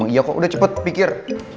iya kok udah cepet pikir